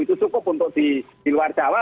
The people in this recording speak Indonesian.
itu cukup untuk di luar jawa